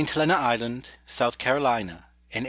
HELENA ISLAND, SOUTH CAROLINA, IN 1863.